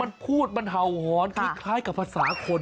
มันพูดมันเห่าหอนคล้ายกับภาษาคน